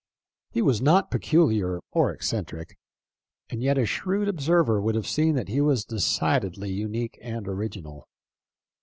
He was not peculiar or eccentric, and yet a shrewd observer would have seen that he was decidedly unique and original.